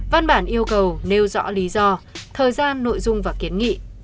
văn bản yêu cầu nêu rõ lý do thời gian nội dung và kiến nghị